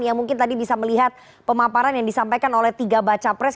yang mungkin tadi bisa melihat pemaparan yang disampaikan oleh tiga baca pres